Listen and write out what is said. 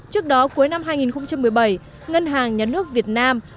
trước đó cuối năm hai nghìn một mươi bảy ngân hàng nhà nước việt nam